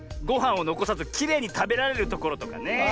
ごはんをのこさずきれいにたべられるところとかね。